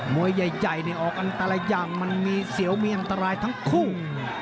วยใหญ่ออกกันแต่ละอย่างมันมีเสียวมีอันตรายทั้งคู่